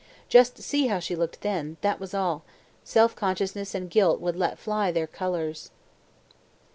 Just see how she looked then: that was all self consciousness and guilt would fly their colours.